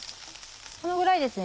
このぐらいですね